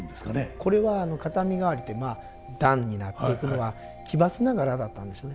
これは片身替わりってまあ段になっていくのは奇抜な柄だったんでしょうね。